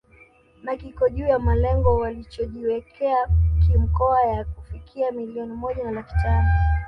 Na kiko juu ya malengo walichojiwekea kimkoa ya kufikia milioni moja na laki tano